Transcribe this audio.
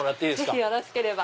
ぜひよろしければ。